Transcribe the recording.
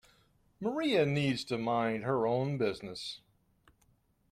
Maria needs to mind her own business.